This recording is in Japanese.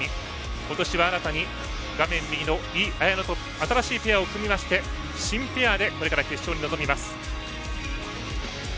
今年は新たに画面右の井絢乃と新しいペアを組みまして新ペアでこれから決勝に臨みます。